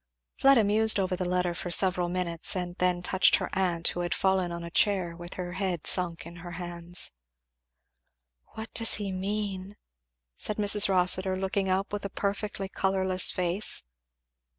Fleda mused over the letter for several minutes, and then touched her aunt who had fallen on a chair with her head sunk in her hands. "What does he mean?" said Mrs. Rossitur, looking up with a perfectly colourless face.